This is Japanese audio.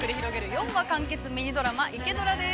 ４話完結ミニドラマ「イケドラ」です。